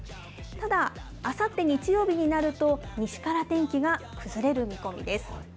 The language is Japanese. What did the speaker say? ただ、あさって日曜日になると、西から天気が崩れる見込みです。